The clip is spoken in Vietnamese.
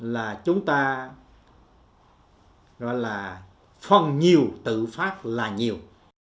là chúng ta gọi là phần nhiều tự phát là nhiều